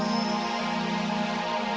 aku terlalu berharga